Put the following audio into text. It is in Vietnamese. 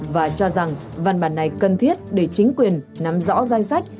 và cho rằng văn bản này cần thiết để chính quyền nắm rõ danh sách